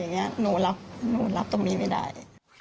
อย่างนี้หนูรับหนูรับตรงนี้ไม่ได้